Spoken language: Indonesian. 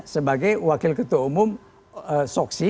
sebagai wakil ketua umum soksi